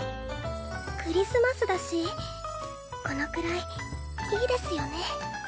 クリスマスだしこのくらいいいですよね